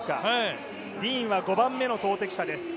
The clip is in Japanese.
ディーンは５番目の投てき者です。